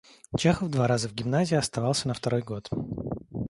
Чехов два раза в гимназии оставался на второй год.